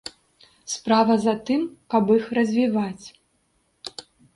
Справа за тым, каб іх развіваць.